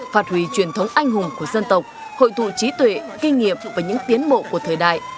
phạt hủy truyền thống anh hùng của dân tộc hội thụ trí tuệ kinh nghiệm và những tiến bộ của thời đại